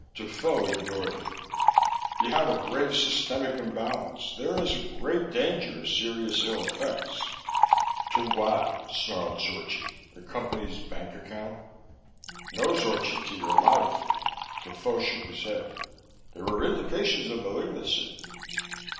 Defoe ignored him. "You have a grave systemic imbalance. There is great danger of serious ill effects." "To what?" snarled Zorchi. "The Company's bank account?" "No, Zorchi. To your life." Defoe shook his head. "There are indications of malignancy."